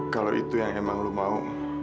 kalau itu yang emang lo mau